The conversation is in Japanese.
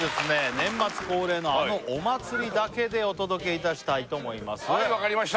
年末恒例のあのお祭りだけでお届けいたしたいと思いますはいわかりました